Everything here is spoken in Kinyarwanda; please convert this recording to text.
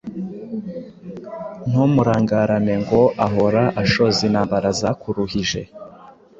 Ntumurangarane ngo ahora, Ashoza intambara zakuruhije